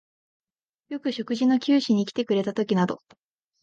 よく食事の給仕にきてくれたときなど、